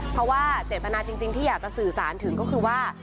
เพราะว่าเจตนาจริงที่อยากจะสื่อสารถึงก็คือว่า